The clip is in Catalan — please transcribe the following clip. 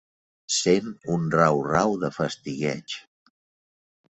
Sent un rau-rau de fastigueig.